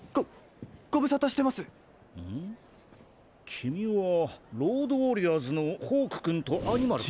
キミはロード・ウォリアーズのホークくんとアニマルくん。